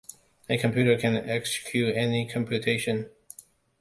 A computer can execute any computation.